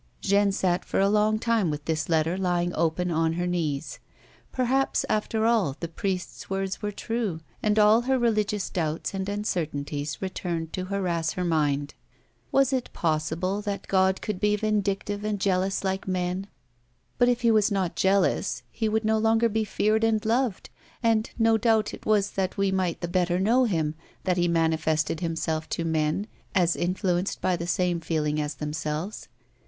Jeanne sat for a long time with this letter lying open on her knees. Perhaps, after all, the priest's words were true ; and all her religious doubts and uncertainties returned to harass her mind. Was it possible that God could be vindic tive and jealous like men 1, But if He were not jealous. He would no longer be feared and loved, and, no doubt, it was that we might the better know Him, that He manifested Himself to men, as influenced by the same feelings as them selves.